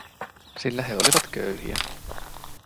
Sillä he olivat köyhiä.